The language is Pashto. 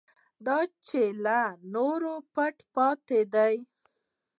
دا چې له نورو پټ پاتې دی.